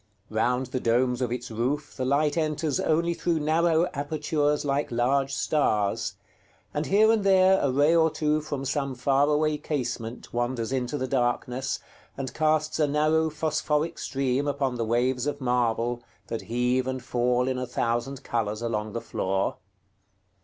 Round the domes of its roof the light enters only through narrow apertures like large stars; and here and there a ray or two from some far away casement wanders into the darkness, and casts a narrow phosphoric stream upon the waves of marble that heave and fall in a thousand colors along the floor.